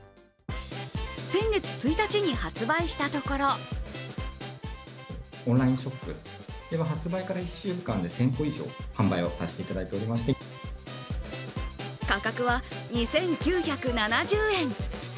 先月１日に発売したところ価格は２９７０円。